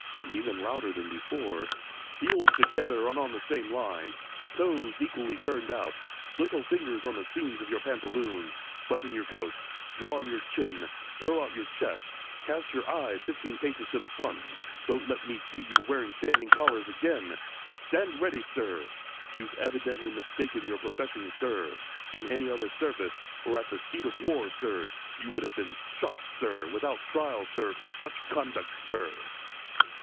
(Even louder than before.) "Heels together and on the same line, toes equally turned out, little fingers on the seams of your pantaloons, button your coat, draw in your chin, throw out your chest, cast your eyes fifteen paces to the front, don't let me see you wearing standing collars again. Stand steady, sir. You've evidently mistaken your profession, sir. In any other service, or at the seat of war, sir, you would have been shot, sir, without trial, sir, for such conduct, sir."